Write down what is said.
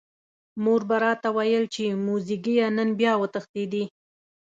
مور به راته ویل چې موزیګیه نن بیا وتښتېدې.